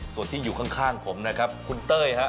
ส่วนที่อยู่ข้างผมนะครับคุณเต้ยครับ